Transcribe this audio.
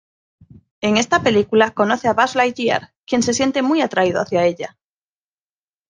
En esta película conoce a Buzz Lightyear, quien se siente muy atraído hacia ella.